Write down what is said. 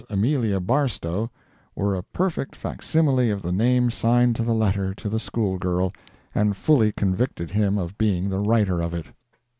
AMELIA BARSTOW," were a perfect facsimile of the name signed to the letter to the school girl, and fully convicted him of being the writer of it.